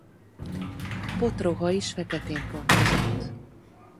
A potroha is feketén pontozott.